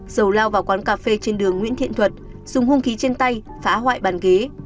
dầu lao vào quán cà phê trên đường nguyễn thiện thuật dùng hung khí trên tay phá hoại bàn ghế